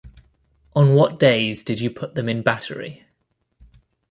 On what days did you put them in battery?